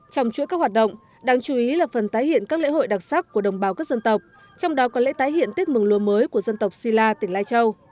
trong chuỗi các hoạt động đáng chú ý là phần tái hiện các lễ hội đặc sắc của đồng bào các dân tộc trong đó có lễ tái hiện tiết mừng lúa mới của dân tộc si la tỉnh lai châu